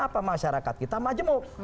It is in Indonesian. apa masyarakat kita majemuk